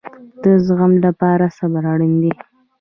د زغم لپاره صبر اړین دی